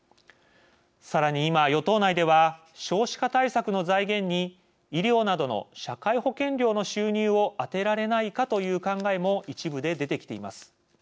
さらに今与党内では少子化対策の財源に医療などの社会保険料の収入を充てられないかという考えも一部で出てきています。